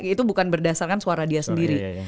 itu bukan berdasarkan suara dia sendiri